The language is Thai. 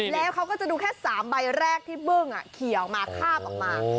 แล้วเขาก็จะดูแค่๓ใบแรกที่บึ้งเอะเขียวมาคร่าบออกมา